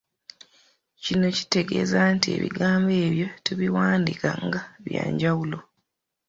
Kino kitegeeza nti ebigambo ebyo tubiwandiika nga bya njawulo.